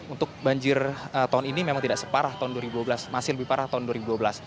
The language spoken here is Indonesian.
untuk banjir tahun ini memang tidak separah tahun dua ribu dua belas masih lebih parah tahun dua ribu dua belas